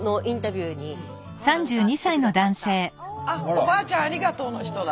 「おばあちゃんありがとう」の人だ。